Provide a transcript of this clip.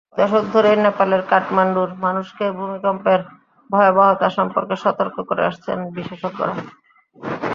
কয়েক দশক ধরেই নেপালের কাঠমান্ডুর মানুষকে ভূমিকম্পের ভয়াবহতা সম্পর্কে সতর্ক করে আসছেন বিশেষজ্ঞরা।